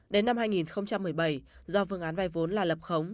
đến năm hai nghìn một mươi bảy do vương án vai vốn là lập khống